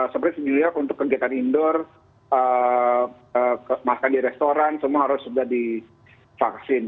seperti new york untuk kegiatan indoor makan di restoran semua harus sudah divaksin